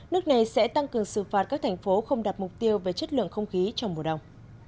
nước này sẽ tăng cường xử phạt các thành phố không đặt mục tiêu về chất lượng không khí trong mùa đông